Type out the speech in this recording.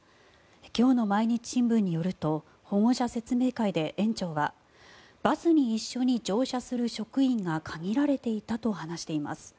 今日の毎日新聞によると保護者説明会で、園長はバスに一緒に乗車する職員が限られていたと話しています。